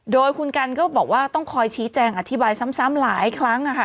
โดยคุณกันก็บอกว่าต้องคอยชี้แจงอธิบายซ้ำหลายครั้ง